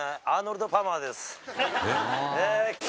「えっ？」